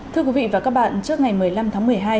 thưa quý vị và các bạn trước ngày một mươi năm tháng một mươi hai